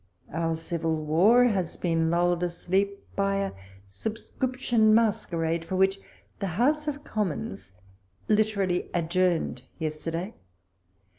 Our civil war has been lulled asleep by a Subscription Masquerade, for which the House of Commons literally adjourned yester day.